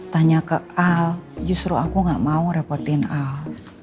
tanya ke al justru aku gak mau repotin al